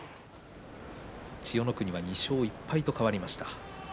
千代の国は２勝１敗と変わりました。